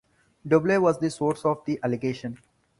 Dobelle was the source of the allegation.